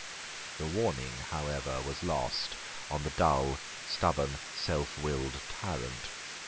The warning, however, was lost on the dull, stubborn, self willed tyrant.